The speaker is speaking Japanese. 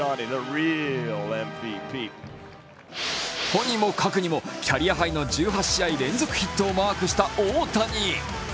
とにもかくにも、キャリアハイの１８試合連続ヒットをマークした大谷。